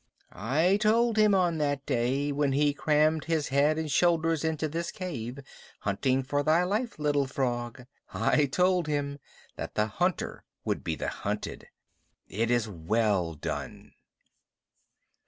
"I told him on that day, when he crammed his head and shoulders into this cave, hunting for thy life, Little Frog I told him that the hunter would be the hunted. It is well done."